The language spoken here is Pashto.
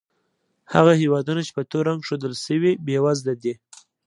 هغه هېوادونه چې په تور رنګ ښودل شوي، بېوزله دي.